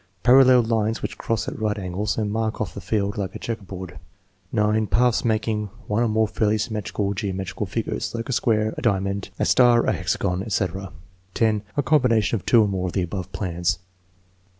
Parallel lines which cross at right angles and mark off the field like a checkerboard. 9. Paths making one or more fairly symmetrical geometrical figures, like a square, a diamond, a star, a hexagon, etc. 10. A combination of two or more of the above plans.